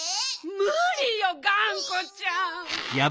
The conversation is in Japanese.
むりよがんこちゃん。